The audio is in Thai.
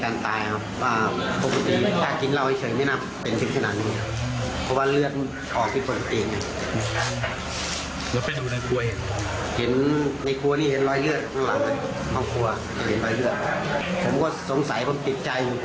ในครัวนี่เห็นรอยเลือด